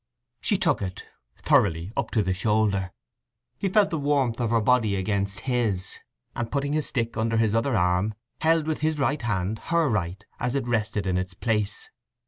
She took it, thoroughly, up to the shoulder. He felt the warmth of her body against his, and putting his stick under his other arm held with his right hand her right as it rested in its place.